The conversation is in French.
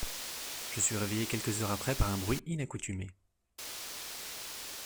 Je suis réveillé, quelques heures après, par un bruit inaccoutumé.